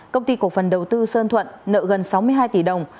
công ty cổ phần đầu tư sơn thuận nợ gần sáu mươi hai tỷ đồng